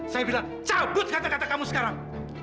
saya bilang cabut kata kata kamu sekarang